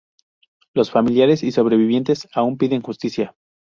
Los familiares y sobrevivientes aun piden justicia.